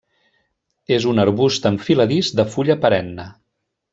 És un arbust enfiladís de fulla perenne.